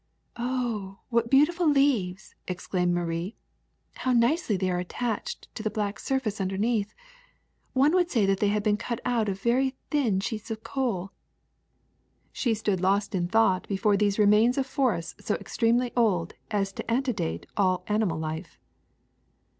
" ^^Oh, what beautiful leaves!'' exclaimed Marie. '^How nicely they are attached to the black surface underneath! One would say they had been cut out of very thin sheets of coal." She stood lost in thought before these remains of forests so extremely old as to antedate all animal life.